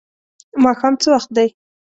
ماښام څه وخت دی؟